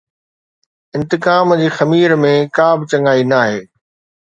انتقام جي خمير ۾ ڪا به چڱائي ناهي.